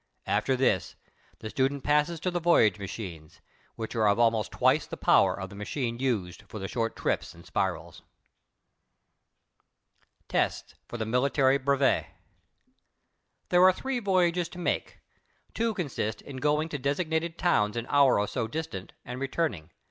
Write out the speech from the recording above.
After this, the student passes to the voyage machines, which are of almost twice the power of the machine used for the short trips and spirals. TESTS FOR THE MILITARY BREVET There are three voyages to make. Two consist in going to designated towns an hour or so distant and returning.